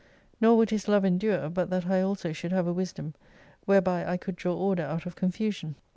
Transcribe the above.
Nor would His love endure, but that I also should have a wisdom, whereby I could draw order out of confusion.